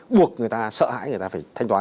buộc người ta sợ hãi người ta phải thanh toán